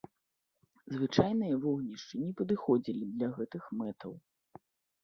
Звычайныя вогнішчы не падыходзілі для гэтых мэтаў.